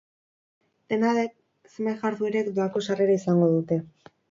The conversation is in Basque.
Dena den, zenbait jarduerek doako sarrera izango dute.